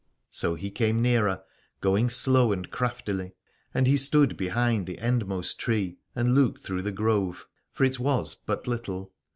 So he came nearer, going slow and craftily: and he stood behind the endmost tree and looked through the grove, for it was but little.